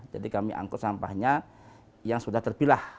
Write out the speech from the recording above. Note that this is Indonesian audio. jadi kami angkut sampahnya yang sudah terpilah